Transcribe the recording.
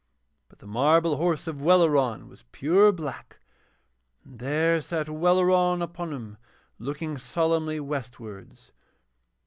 But the marble horse of Welleran was pure black, and there sat Welleran upon him looking solemnly westwards.